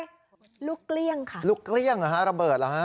ลูกเกลี้ยงค่ะลูกเกลี้ยงเหรอฮะระเบิดเหรอฮะ